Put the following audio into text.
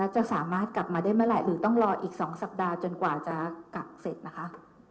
จะสามารถกลับมาได้เมื่อไหร่หรือต้องรออีก๒สัปดาห์จนกว่าจะกักเสร็จนะคะ